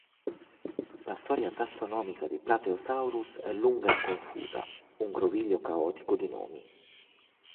La storia tassonomica di "Plateosaurus" è "lunga e confusa", "un groviglio caotico di nomi".